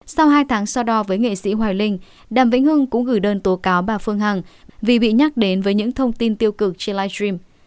sau hai tháng so đo với nghệ sĩ hoài linh đàm vĩnh hưng cũng gửi đơn tố cáo bà phương hằng vì bị nhắc đến với những thông tin tiêu cực trên live stream